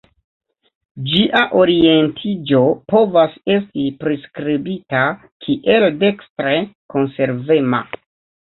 Ĝia orientiĝo povas esti priskribita kiel dekstre konservema.